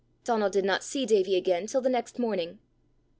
Donal did not see Davie again till the next morning.